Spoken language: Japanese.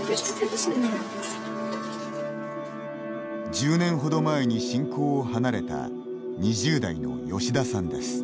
１０年ほど前に信仰を離れた２０代の吉田さんです。